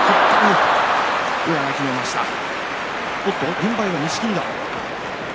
軍配は錦木だ。